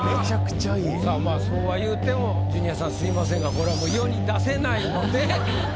さあまあそうはいうてもジュニアさんすみませんがこれはもう世に出せないので。